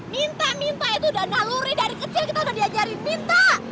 minta minta itu udah naluri dari kecil kita udah diajarin binta